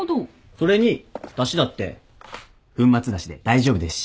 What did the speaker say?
それにだしだって粉末だしで大丈夫ですし。